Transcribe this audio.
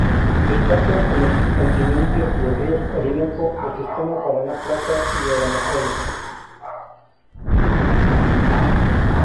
Destacan en el subcontinente los ríos Orinoco, el sistema Paraná-Plata y el Amazonas.